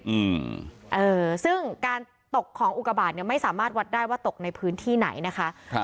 อืมเอ่อซึ่งการตกของอุกบาทเนี้ยไม่สามารถวัดได้ว่าตกในพื้นที่ไหนนะคะครับ